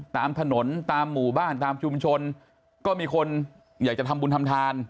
ตามถนนตามหมู่บ้านตามชุมชนก็มีคนอยากจะทำบุญทำทาน